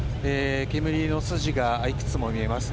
煙の筋が、いくつも見えます。